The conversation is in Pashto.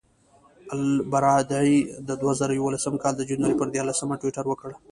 البرادعي د دوه زره یولسم کال د جنورۍ پر دیارلسمه ټویټر وکړ.